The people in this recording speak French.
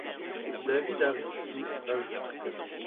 David Harris Smith ajoute qu'.